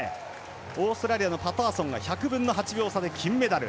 オーストラリアのパターソン１００分の８秒差で金メダル。